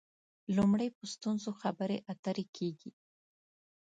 لومړی په ستونزو خبرې اترې کېږي.